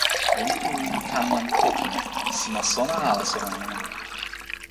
lipu ni li tan jan Tokin, sina sona ala sona e ona?